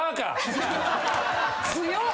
強っ。